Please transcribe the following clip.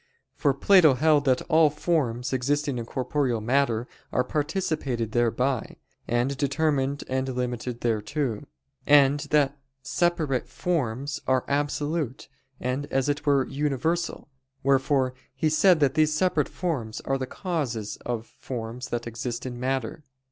For Plato held that all forms existing in corporeal matter are participated thereby, and determined and limited thereto; and that separate forms are absolute and as it were universal; wherefore he said that these separate forms are the causes of forms that exist in matter.